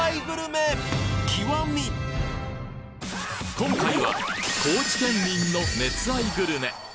今回は高知県民の熱愛グルメ